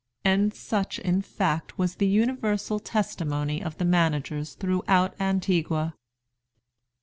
And such in fact was the universal testimony of the managers throughout Antigua.